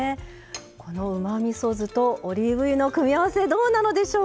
このうまみそ酢とオリーブ油の組み合わせどうなのでしょうか？